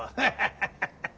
ハハハハハ。